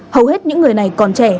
hầu hết những người này còn trẻ